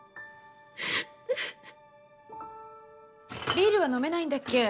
ビールは飲めないんだっけ？